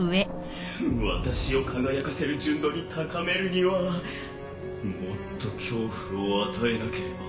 私を輝かせる純度に高めるにはもっと恐怖を与えなければ。